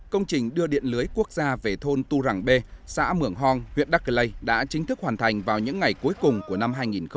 công trình đưa điện lưới quốc gia về thôn tu rằng b xã mường hong huyện đắc lây đã chính thức hoàn thành vào những ngày cuối cùng của năm hai nghìn một mươi chín